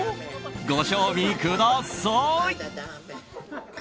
ご賞味ください！